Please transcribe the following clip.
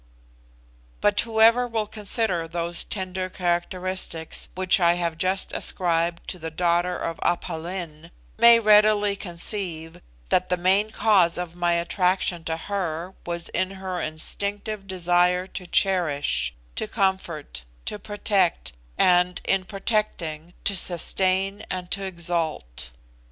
But whoever will consider those tender characteristics which I have just ascribed to the daughter of Aph Lin, may readily conceive that the main cause of my attraction to her was in her instinctive desire to cherish, to comfort, to protect, and, in protecting, to sustain and to exalt.